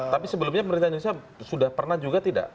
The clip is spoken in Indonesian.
tapi sebelumnya pemerintah indonesia sudah pernah juga tidak